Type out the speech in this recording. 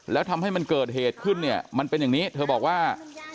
แล้วทำให้มันเกิดเหตุขึ้นเนี่ยมันเป็นอย่างนี้เธอบอกว่า